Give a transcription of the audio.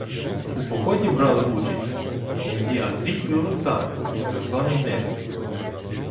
В поході брали участь князі Андрій і Олександр, так званий Невський